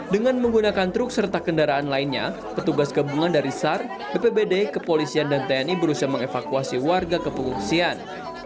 dengan menggunakan truk serta kendaraan lainnya petugas gabungan dari sar bpbd kepolisian dan tni berusaha mengevakuasi warga ke pengungsian